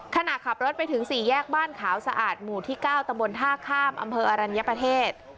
ขณะขับรถไปถึง๔แยกบ้านขาวสะอาดหมู่ที่๙ตำบลท่าข้ามอำเภออรัญญประเทศ